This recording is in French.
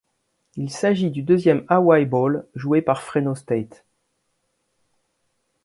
Il s'agit du deuxième Hawaii Bowl joué par Fresno State.